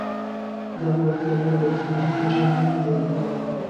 دغه بکتریا د بدن مهم ویتامینونه جوړوي.